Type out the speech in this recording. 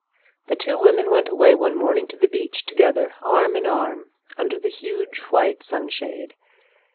The two women went away one morning to the beach together, arm in arm, under the huge white sunshade.